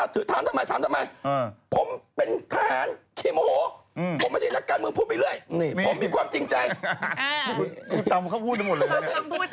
คุณตำเขาพูดทั้งหมดเลยครับนะครับตำพูดท่านนะ